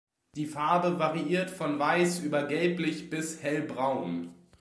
Die Farbe variiert von weiß über gelblich bis hellbraun.